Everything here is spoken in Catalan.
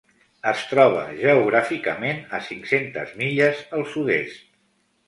Es troba geogràficament a cinc-centes milles al sud-est.